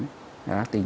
đó là tính